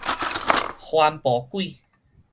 蕃婆鬼